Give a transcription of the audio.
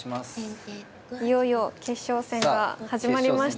いよいよ決勝戦が始まりました。